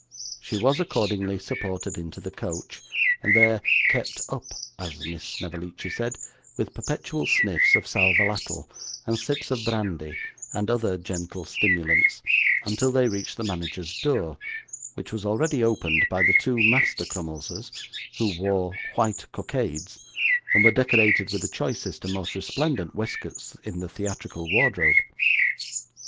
She was accordingly supported into the coach, and there 'kept up' (as Miss Snevellicci said) with perpetual sniffs of SAL VOLATILE and sips of brandy and other gentle stimulants, until they reached the manager's door, which was already opened by the two Master Crummleses, who wore white cockades, and were decorated with the choicest and most resplendent waistcoats in the theatrical wardrobe.